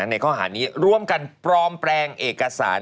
ในข้อหานี้ร่วมกันปลอมแปลงเอกสาร